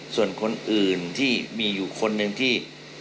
ส่วนคนอื่นที่มีอยู่คนหนึ่งที่